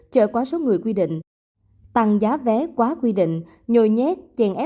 chở quá số người quy định tăng giá vé quá quy định nhồi nhét